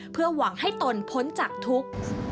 เพื่อหวังให้ตนพ้นจากทุกข์